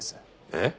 えっ！？